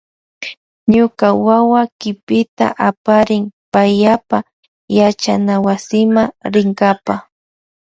Ñuka wawa kipita aparin payapa yachanawasima rinkapa.